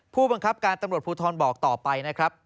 ผู้บังคับการตำรวจภูทรบอกต่อไปนะครับ